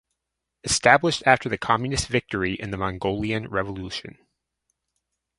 Established after the communist victory in the Mongolian Revolution.